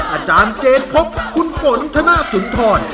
อาจารย์เจนพบคุณฝนธนสุนทร